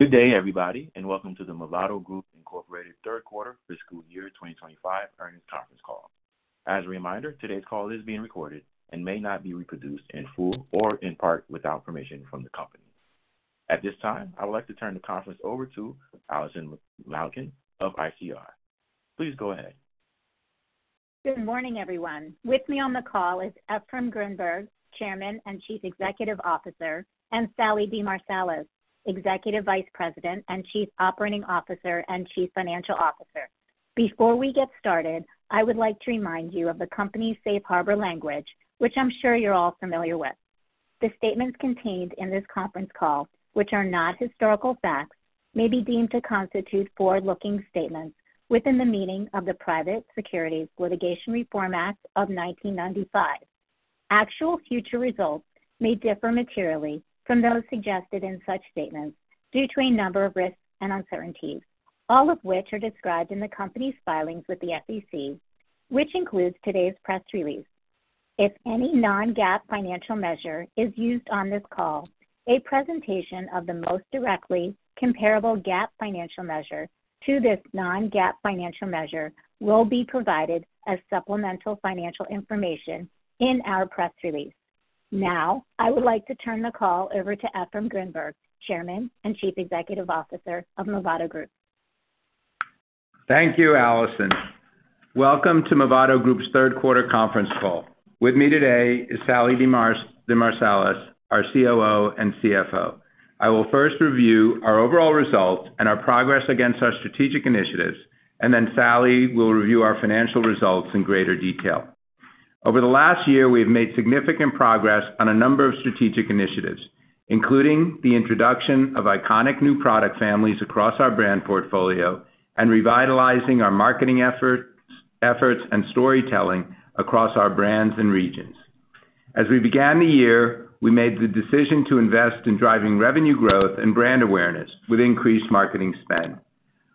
Good day, everybody, and welcome to the Movado Group Incorporated Third Quarter Fiscal Year 2025 Earnings Conference Call. As a reminder, today's call is being recorded and may not be reproduced in full or in part without permission from the company. At this time, I would like to turn the conference over to Allison Malkin of ICR. Please go ahead. Good morning, everyone. With me on the call is Efraim Grinberg, Chairman and Chief Executive Officer, and Sallie DeMarsilis, Executive Vice President and Chief Operating Officer and Chief Financial Officer. Before we get started, I would like to remind you of the company's safe harbor language, which I'm sure you're all familiar with. The statements contained in this conference call, which are not historical facts, may be deemed to constitute forward-looking statements within the meaning of the Private Securities Litigation Reform Act of 1995. Actual future results may differ materially from those suggested in such statements due to a number of risks and uncertainties, all of which are described in the company's filings with the SEC, which includes today's press release. If any non-GAAP financial measure is used on this call, a presentation of the most directly comparable GAAP financial measure to this non-GAAP financial measure will be provided as supplemental financial information in our press release. Now, I would like to turn the call over to Efraim Grinberg, Chairman and Chief Executive Officer of Movado Group. Thank you, Allison. Welcome to Movado Group's Third Quarter Conference Call. With me today is Sallie DeMarsilis, our COO and CFO. I will first review our overall results and our progress against our strategic initiatives, and then Sallie will review our financial results in greater detail. Over the last year, we have made significant progress on a number of strategic initiatives, including the introduction of iconic new product families across our brand portfolio and revitalizing our marketing efforts and storytelling across our brands and regions. As we began the year, we made the decision to invest in driving revenue growth and brand awareness with increased marketing spend.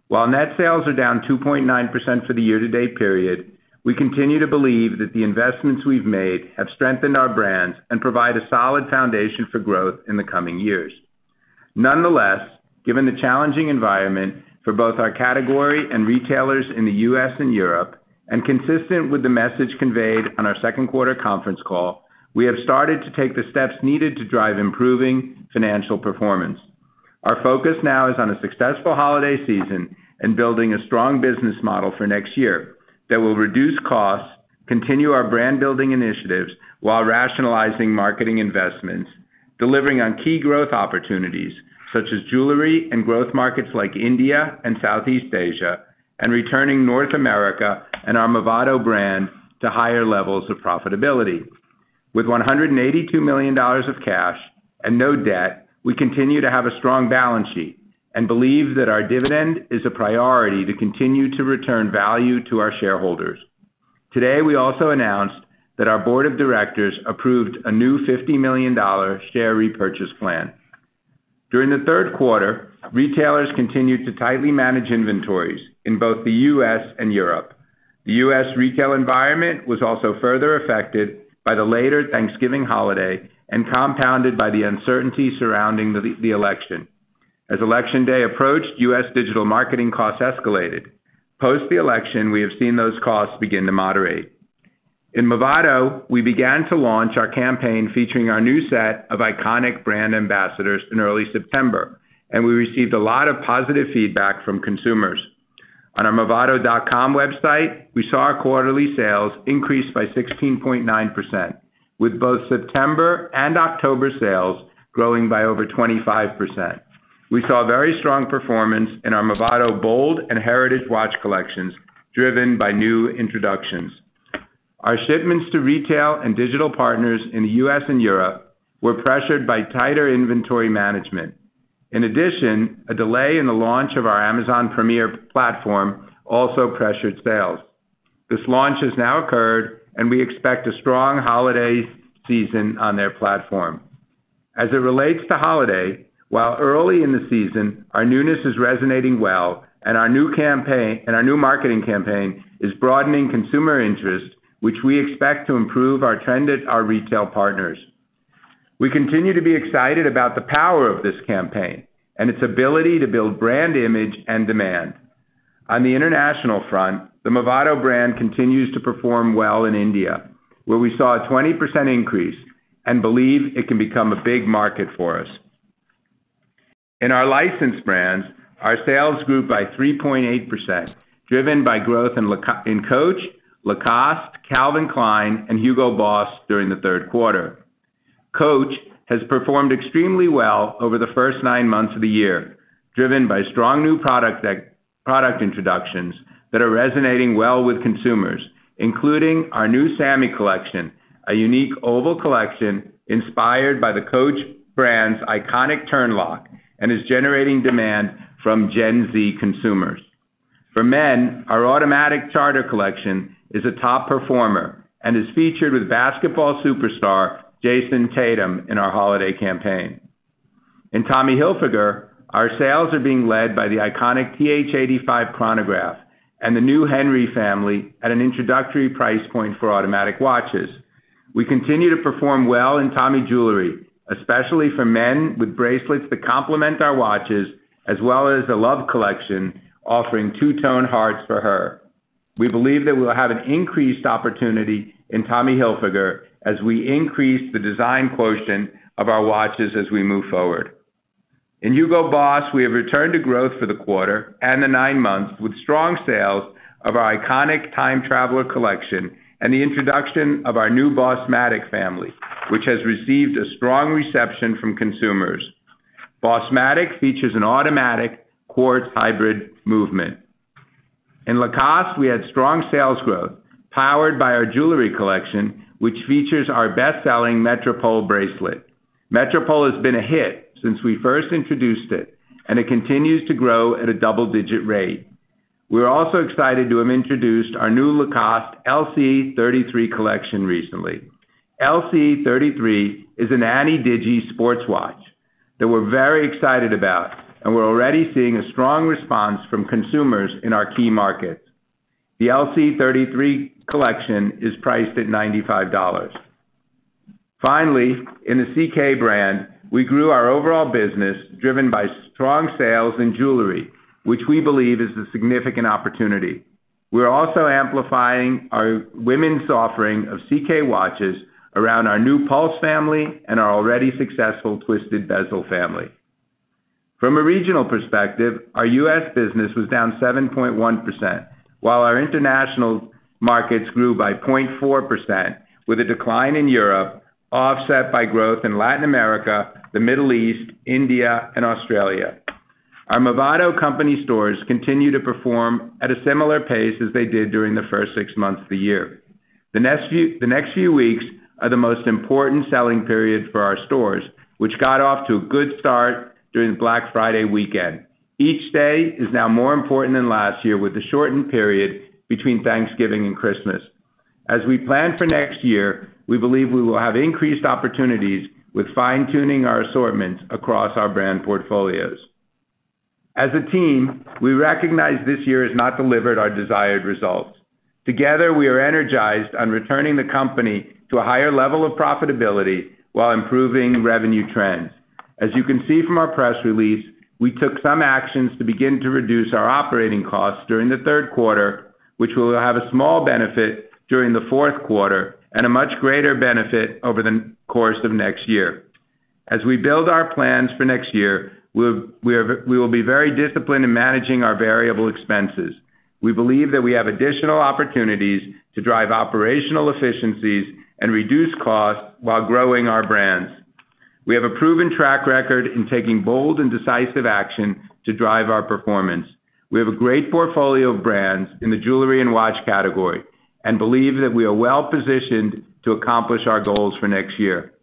While net sales are down 2.9% for the year-to-date period, we continue to believe that the investments we've made have strengthened our brands and provide a solid foundation for growth in the coming years. Nonetheless, given the challenging environment for both our category and retailers in the U.S. and Europe, and consistent with the message conveyed on our Second Quarter Conference Call, we have started to take the steps needed to drive improving financial performance. Our focus now is on a successful holiday season and building a strong business model for next year that will reduce costs, continue our brand-building initiatives while rationalizing marketing investments, delivering on key growth opportunities such as jewelry and growth markets like India and Southeast Asia, and returning North America and our Movado brand to higher levels of profitability. With $182 million of cash and no debt, we continue to have a strong balance sheet and believe that our dividend is a priority to continue to return value to our shareholders. Today, we also announced that our board of directors approved a new $50 million share repurchase plan. During the third quarter, retailers continued to tightly manage inventories in both the U.S. and Europe. The U.S. retail environment was also further affected by the later Thanksgiving holiday and compounded by the uncertainty surrounding the election. As Election Day approached, U.S. digital marketing costs escalated. Post the election, we have seen those costs begin to moderate. In Movado, we began to launch our campaign featuring our new set of iconic brand ambassadors in early September, and we received a lot of positive feedback from consumers. On our movado.com website, we saw our quarterly sales increase by 16.9%, with both September and October sales growing by over 25%. We saw very strong performance in our Movado Bold and Heritage watch collections driven by new introductions. Our shipments to retail and digital partners in the U.S. and Europe were pressured by tighter inventory management. In addition, a delay in the launch of our Amazon Premier platform also pressured sales. This launch has now occurred, and we expect a strong holiday season on their platform. As it relates to holiday, while early in the season, our newness is resonating well, and our new marketing campaign is broadening consumer interest, which we expect to improve our retail partners. We continue to be excited about the power of this campaign and its ability to build brand image and demand. On the international front, the Movado brand continues to perform well in India, where we saw a 20% increase and believe it can become a big market for us. In our licensed brands, our sales grew by 3.8%, driven by growth in Coach, Lacoste, Calvin Klein, and Hugo Boss during the third quarter. Coach has performed extremely well over the first nine months of the year, driven by strong new product introductions that are resonating well with consumers, including our new Sammy collection, a unique oval collection inspired by the Coach brand's iconic turn lock, and is generating demand from Gen Z consumers. For men, our automatic Charter collection is a top performer and is featured with basketball superstar Jayson Tatum in our holiday campaign. In Tommy Hilfiger, our sales are being led by the iconic TH85 Chronograph and the new Henry family at an introductory price point for automatic watches. We continue to perform well in Tommy jewelry, especially for men with bracelets that complement our watches, as well as a Love collection offering two-tone hearts for her. We believe that we will have an increased opportunity in Tommy Hilfiger as we increase the design quotient of our watches as we move forward. In Hugo Boss, we have returned to growth for the quarter and the nine months with strong sales of our iconic Time Traveler collection and the introduction of our new Bossmatic family, which has received a strong reception from consumers. Bossmatic features an automatic quartz hybrid movement. In Lacoste, we had strong sales growth powered by our jewelry collection, which features our best-selling Metropole bracelet. Metropole has been a hit since we first introduced it, and it continues to grow at a double-digit rate. We were also excited to have introduced our new Lacoste LC33 collection recently. LC33 is an ana-digi sports watch that we're very excited about, and we're already seeing a strong response from consumers in our key markets. The LC33 collection is priced at $95. Finally, in the CK brand, we grew our overall business driven by strong sales in jewelry, which we believe is a significant opportunity. We're also amplifying our women's offering of CK watches around our new Pulse family and our already successful Twisted Bezel family. From a regional perspective, our U.S. business was down 7.1%, while our international markets grew by 0.4%, with a decline in Europe offset by growth in Latin America, the Middle East, India, and Australia. Our Movado company stores continue to perform at a similar pace as they did during the first six months of the year. The next few weeks are the most important selling period for our stores, which got off to a good start during the Black Friday weekend. Each day is now more important than last year with the shortened period between Thanksgiving and Christmas. As we plan for next year, we believe we will have increased opportunities with fine-tuning our assortments across our brand portfolios. As a team, we recognize this year has not delivered our desired results. Together, we are energized on returning the company to a higher level of profitability while improving revenue trends. As you can see from our press release, we took some actions to begin to reduce our operating costs during the third quarter, which will have a small benefit during the fourth quarter and a much greater benefit over the course of next year. As we build our plans for next year, we will be very disciplined in managing our variable expenses. We believe that we have additional opportunities to drive operational efficiencies and reduce costs while growing our brands. We have a proven track record in taking bold and decisive action to drive our performance. We have a great portfolio of brands in the jewelry and watch category and believe that we are well positioned to accomplish our goals for next year.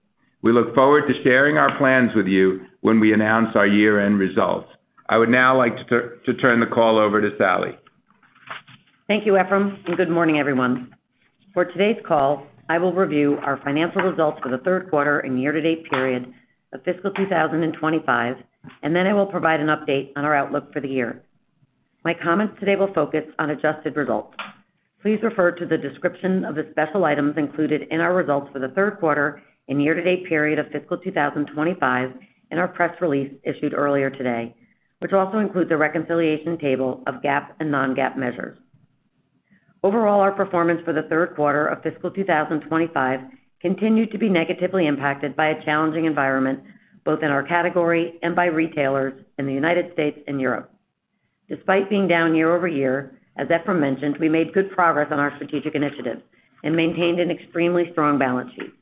We look forward to sharing our plans with you when we announce our year-end results. I would now like to turn the call over to Sallie. Thank you, Efraim, and good morning, everyone. For today's call, I will review our financial results for the third quarter and year-to-date period of fiscal 2025, and then I will provide an update on our outlook for the year. My comments today will focus on adjusted results. Please refer to the description of the special items included in our results for the third quarter and year-to-date period of fiscal 2025 in our press release issued earlier today, which also includes a reconciliation table of GAAP and non-GAAP measures. Overall, our performance for the third quarter of fiscal 2025 continued to be negatively impacted by a challenging environment both in our category and by retailers in the United States and Europe. Despite being down year over year, as Efraim mentioned, we made good progress on our strategic initiatives and maintained an extremely strong balance sheet.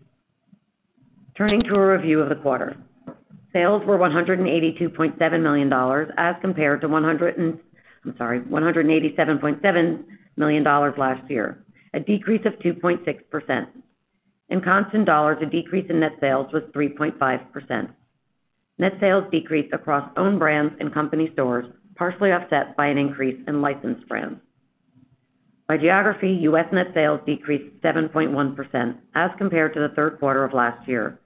Turning to a review of the quarter, sales were $182.7 million as compared to $187.7 million last year, a decrease of 2.6%. In constant dollars, a decrease in net sales was 3.5%. Net sales decreased across own brands and company stores, partially offset by an increase in licensed brands. By geography, U.S. net sales decreased 7.1% as compared to the third quarter of last year.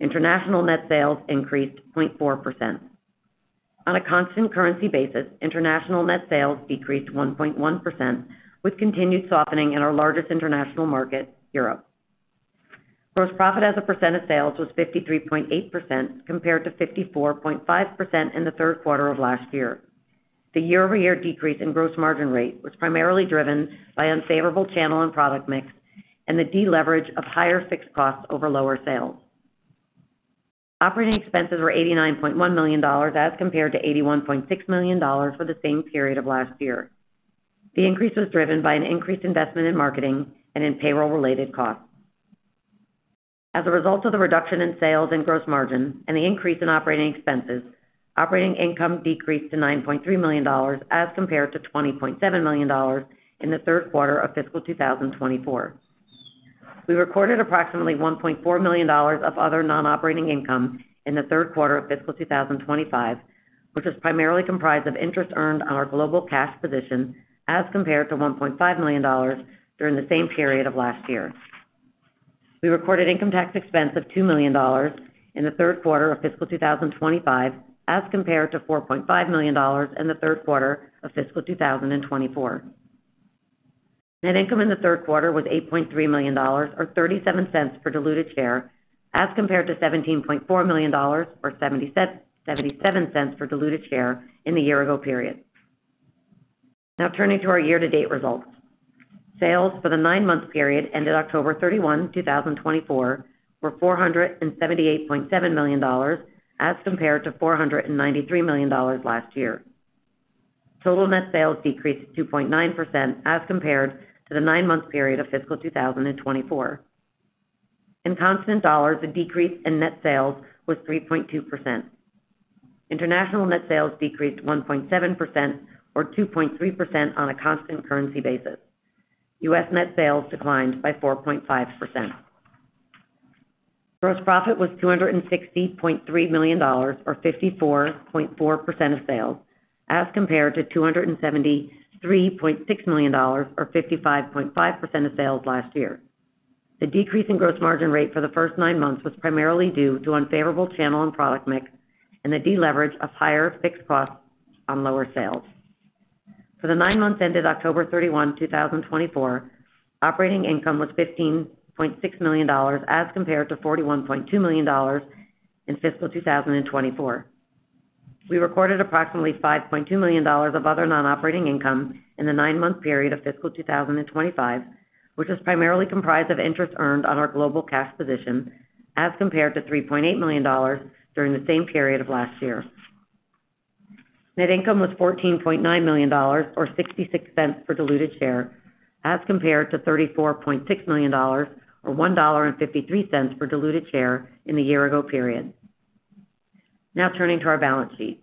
International net sales increased 0.4%. On a constant currency basis, international net sales decreased 1.1%, with continued softening in our largest international market, Europe. Gross profit as a percent of sales was 53.8% compared to 54.5% in the third quarter of last year. The year-over-year decrease in gross margin rate was primarily driven by unfavorable channel and product mix and the deleverage of higher fixed costs over lower sales. Operating expenses were $89.1 million as compared to $81.6 million for the same period of last year. The increase was driven by an increased investment in marketing and in payroll-related costs. As a result of the reduction in sales and gross margin and the increase in operating expenses, operating income decreased to $9.3 million as compared to $20.7 million in the third quarter of fiscal 2024. We recorded approximately $1.4 million of other non-operating income in the third quarter of fiscal 2025, which was primarily comprised of interest earned on our global cash position as compared to $1.5 million during the same period of last year. We recorded income tax expense of $2 million in the third quarter of fiscal 2025 as compared to $4.5 million in the third quarter of fiscal 2024. Net income in the third quarter was $8.3 million, or $0.37 per diluted share, as compared to $17.4 million, or $0.77 per diluted share in the year-ago period. Now, turning to our year-to-date results, sales for the nine-month period ended October 31, 2024, were $478.7 million as compared to $493 million last year. Total net sales decreased 2.9% as compared to the nine-month period of fiscal 2024. In constant dollars, a decrease in net sales was 3.2%. International net sales decreased 1.7%, or 2.3% on a constant currency basis. U.S. net sales declined by 4.5%. Gross profit was $260.3 million, or 54.4% of sales, as compared to $273.6 million, or 55.5% of sales last year. The decrease in gross margin rate for the first nine months was primarily due to unfavorable channel and product mix and the deleverage of higher fixed costs on lower sales. For the nine months ended October 31, 2024, operating income was $15.6 million as compared to $41.2 million in fiscal 2024. We recorded approximately $5.2 million of other non-operating income in the nine-month period of fiscal 2025, which was primarily comprised of interest earned on our global cash position as compared to $3.8 million during the same period of last year. Net income was $14.9 million, or $0.66 per diluted share, as compared to $34.6 million, or $1.53 per diluted share in the year-ago period. Now, turning to our balance sheet.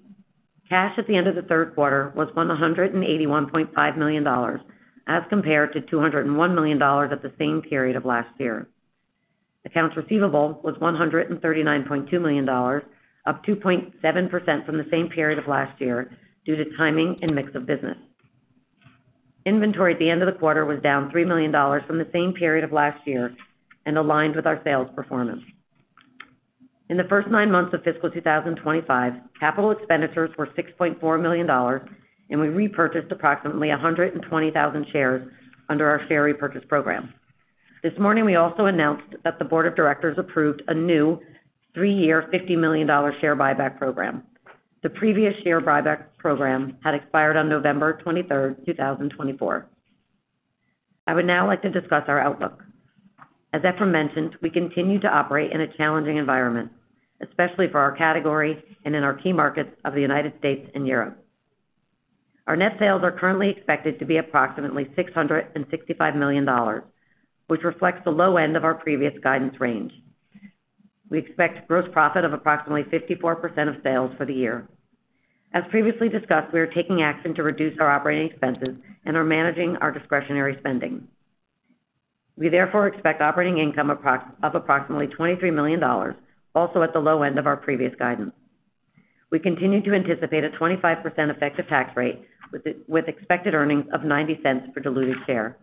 Cash at the end of the third quarter was $181.5 million as compared to $201 million at the same period of last year. Accounts receivable was $139.2 million, up 2.7% from the same period of last year due to timing and mix of business. Inventory at the end of the quarter was down $3 million from the same period of last year and aligned with our sales performance. In the first nine months of fiscal 2025, capital expenditures were $6.4 million, and we repurchased approximately 120,000 shares under our share repurchase program. This morning, we also announced that the Board of Directors approved a new three-year $50 million share buyback program. The previous share buyback program had expired on November 23, 2024. I would now like to discuss our outlook. As Efraim mentioned, we continue to operate in a challenging environment, especially for our category and in our key markets of the United States and Europe. Our net sales are currently expected to be approximately $665 million, which reflects the low end of our previous guidance range. We expect gross profit of approximately 54% of sales for the year. As previously discussed, we are taking action to reduce our operating expenses and are managing our discretionary spending. We therefore expect operating income of approximately $23 million, also at the low end of our previous guidance. We continue to anticipate a 25% effective tax rate with expected earnings of $0.90 per diluted share.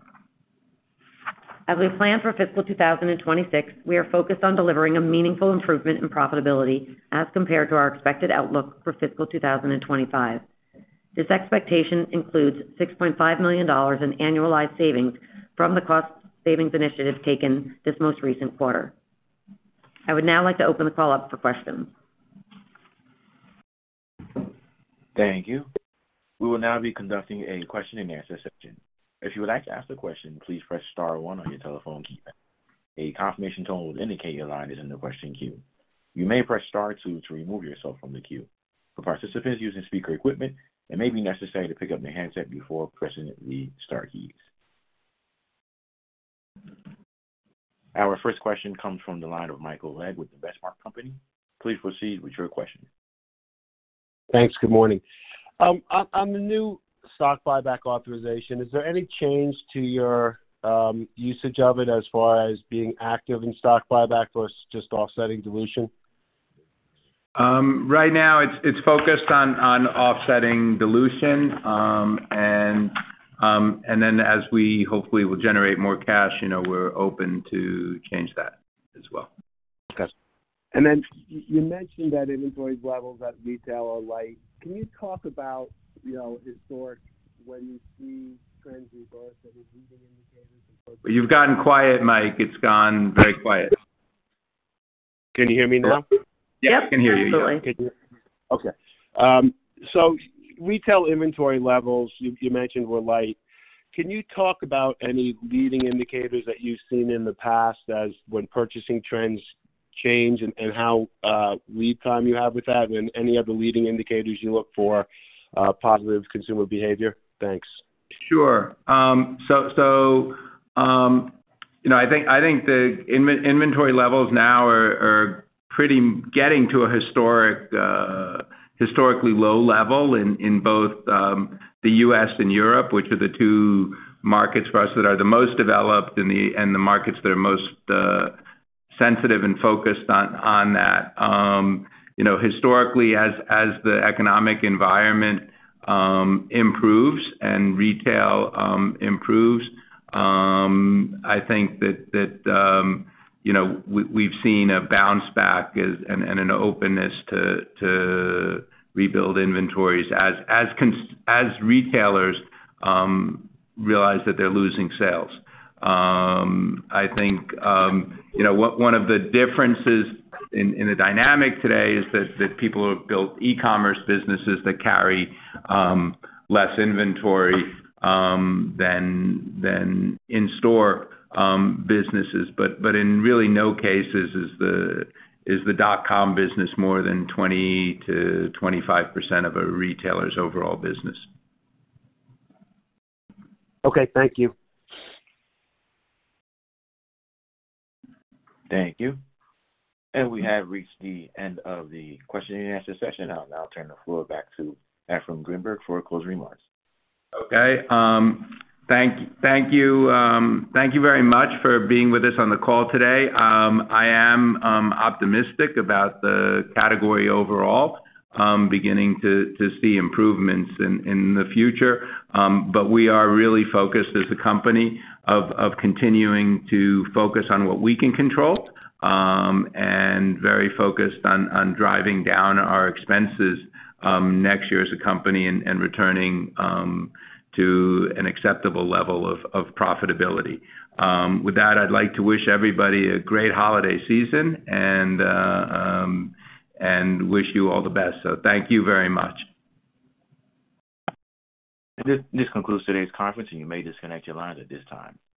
As we plan for fiscal 2026, we are focused on delivering a meaningful improvement in profitability as compared to our expected outlook for fiscal 2025. This expectation includes $6.5 million in annualized savings from the cost savings initiative taken this most recent quarter. I would now like to open the call up for questions. Thank you. We will now be conducting a question-and-answer session. If you would like to ask a question, please press star one on your telephone keypad. A confirmation tone will indicate your line is in the question queue. You may press star two to remove yourself from the queue. For participants using speaker equipment, it may be necessary to pick up the handset before pressing the star keys. Our first question comes from the line of Michael Legg with The Benchmark Company. Please proceed with your question. Thanks. Good morning. I'm new. Stock buyback authorization. Is there any change to your usage of it as far as being active in stock buyback or just offsetting dilution? Right now, it's focused on offsetting dilution. And then, as we hopefully will generate more cash, we're open to change that as well. Okay. And then you mentioned that inventory levels at retail are light. Can you talk about historically when you see trends reverse and leading indicators? You've gotten quiet, Mike. It's gone very quiet. Can you hear me now? Yep. I can hear you. Absolutely. Retail inventory levels, you mentioned, were light. Can you talk about any leading indicators that you've seen in the past as when purchasing trends change and how lead time you have with that and any other leading indicators you look for positive consumer behavior? Thanks. Sure. So I think the inventory levels now are getting to a historically low level in both the U.S. and Europe, which are the two markets for us that are the most developed and the markets that are most sensitive and focused on that. Historically, as the economic environment improves and retail improves, I think that we've seen a bounce back and an openness to rebuild inventories as retailers realize that they're losing sales. I think one of the differences in the dynamic today is that people have built e-commerce businesses that carry less inventory than in-store businesses. But in really no cases is the dot-com business more than 20%-25% of a retailer's overall business. Okay. Thank you. Thank you. And we have reached the end of the question-and-answer session. I'll now turn the floor back to Efraim Grinberg for closing remarks. Okay. Thank you. Thank you very much for being with us on the call today. I am optimistic about the category overall, beginning to see improvements in the future. But we are really focused as a company of continuing to focus on what we can control and very focused on driving down our expenses next year as a company and returning to an acceptable level of profitability. With that, I'd like to wish everybody a great holiday season and wish you all the best. So thank you very much. This concludes today's conference, and you may disconnect your lines at this time.